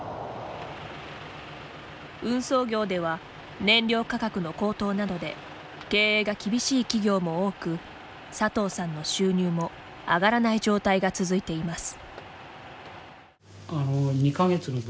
運送業では燃料価格の高騰などで経営が厳しい企業も多く佐藤さんの収入も上がらない状態が続いています。